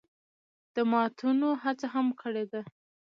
د ماتونو هڅه هم کړې ده